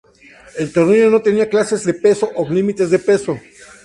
El torneo no tenía clases de peso o límites de peso.